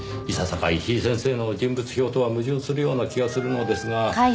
いささか石井先生の人物評とは矛盾するような気がするのですが。